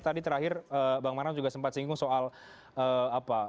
tadi terakhir bang manan juga sempat singgung soal apa